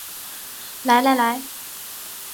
来来来